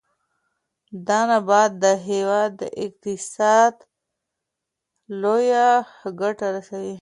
دا نبات د هېواد اقتصاد ته لویه ګټه رسوي.